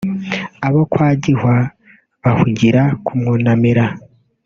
abo kwa Gihwa bahugira kumwunamira